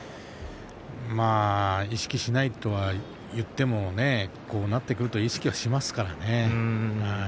意識しないと言ってもこうなってくると意識はしますよね。